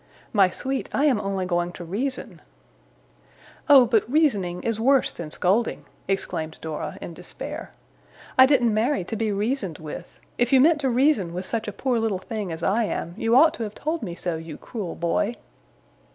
'My sweet, I am only going to reason.' 'Oh, but reasoning is worse than scolding!' exclaimed Dora, in despair. 'I didn't marry to be reasoned with. If you meant to reason with such a poor little thing as I am, you ought to have told me so, you cruel boy!